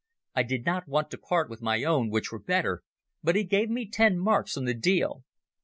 I did not want to part with my own, which were better, but he gave me ten marks on the deal.